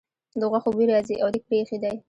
د غوښو بوی راځي او دېګ پرې ایښی دی.